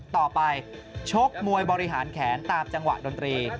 ต่อไปชกมวยบริหารแขนตามจังหวะดนตรี